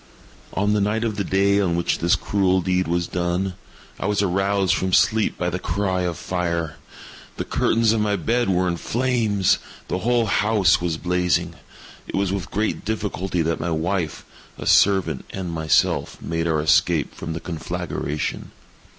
On the night of the day on which this cruel deed was done, I was aroused from sleep by the cry of fire. The curtains of my bed were in flames. The whole house was blazing. It was with great difficulty that my wife, a servant, and myself, made our escape from the conflagration.